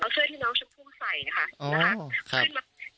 เอาเสื้อที่น้องชมพูใส่นะคะ